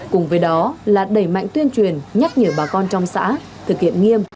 cùng với đó là đẩy mạnh tuyên truyền nhắc nhở bà con trong xã thực hiện nghiêm